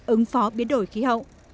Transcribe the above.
ứng phó biến đổi khí hậu